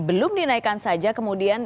belum dinaikkan saja kemudian